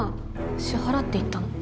支払っていったの？